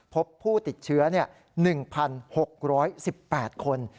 พบผู้ติดเชื้อ๑๖๑๘คน